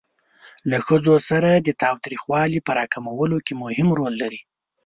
له ښځو سره د تاوتریخوالي په را کمولو کې مهم رول لري.